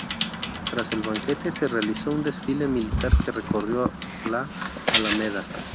Tras el banquete, se realizó un desfile militar que recorrió la Alameda.